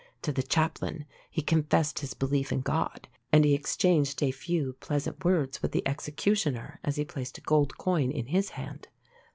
To the chaplain he confessed his belief in God; and he exchanged a few pleasant words with the executioner as he placed a gold coin in his hand.